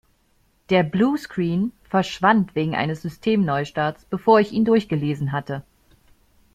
Der Bluescreen verschwand wegen eines Systemneustarts, bevor ich ihn durchgelesen hatte.